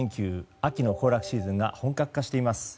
秋の行楽シーズンが本格化しています。